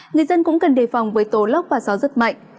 người dân cũng cần đề phòng với tố lốc và gió rất mạnh